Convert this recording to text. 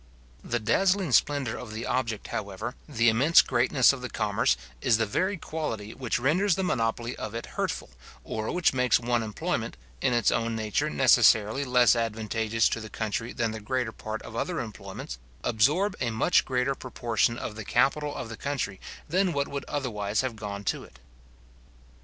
The dazzling splendour of the object, however, the immense greatness of the commerce, is the very quality which renders the monopoly of it hurtful, or which makes one employment, in its own nature necessarily less advantageous to the country than the greater part of other employments, absorb a much greater proportion of the capital of the country than what would otherwise have gone to it.